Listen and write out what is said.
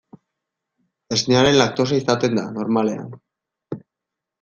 Esnearen laktosa izaten da, normalean.